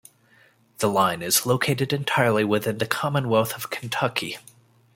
The line is located entirely within the Commonwealth of Kentucky.